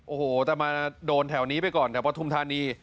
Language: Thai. โอ้โหแต่มาโดนแถวนี้ไปก่อนแต่ปฐุมธานี